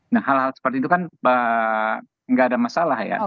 nah hal hal seperti itu kan nggak ada masalah ya